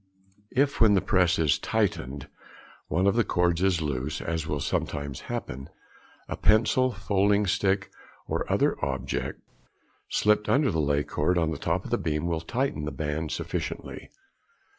] If when the press is tightened one of the cords is loose, as will sometimes happen, a pencil, folding stick or other object slipped under the lay cord on the top of the beam will tighten the band sufficiently.